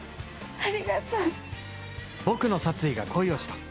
ありがとう。